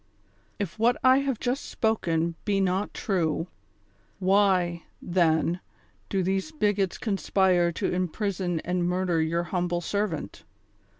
If what I have just spoken be not true, why, then, do these bigots conspire to imprison and murder your humble servant